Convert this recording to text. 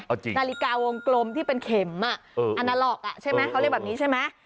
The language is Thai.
เอาจริงนาฬิกาวงกลมที่เป็นเข็มอ่ะอนาล็อกอ่ะใช่ไหมเขาเรียกแบบนี้ใช่ไหม